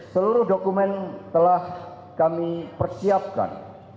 seluruh dokumen telah kami persiapkan